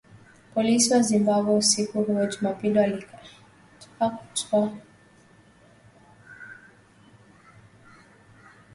Polisi wa Zimbabwe, siku ya Jumapili walikataa kutoa maoni kuhusu marufuku kwa chama cha Umoja wa Wananchi wa Mabadiliko huko Marondera.